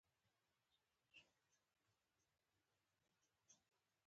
بېرته په بېړه اوبو کې غوټه شوم.